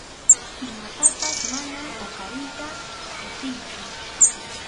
Imatapas manam huqariyta atiychu.